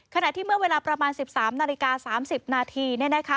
ขณะที่เมื่อเวลาประมาณ๑๓นาฬิกา๓๐นาที